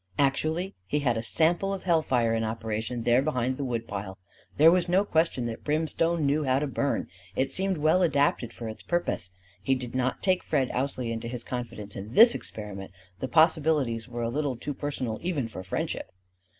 Actually he had a sample of hell fire in operation there behind the woodpile! There was no question that brimstone knew how to burn: it seemed well adapted for its purpose. He did not take Fred Ousley into his confidence in this experiment: the possibilities were a little too personal even for friendship!